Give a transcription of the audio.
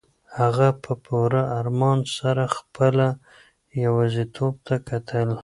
هغه په پوره ارمان سره خپله یوازیتوب ته کتل.